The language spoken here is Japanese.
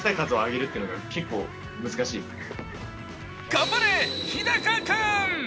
頑張れ、日高君！